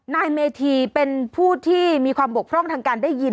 นายเมธีเป็นผู้ที่มีความบกพร่องทางการได้ยิน